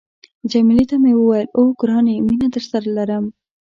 جميله ته مې وویل، اوه، ګرانې مینه درسره لرم.